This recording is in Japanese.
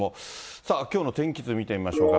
さあ、きょうの天気図見てみましょうか。